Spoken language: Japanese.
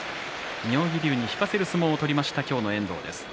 妙義龍に引かせる相撲を取りました、今日の遠藤です。